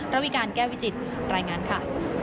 ระวิการณ์แก้วิจิตแก้วิจิตในรายงานค่ะ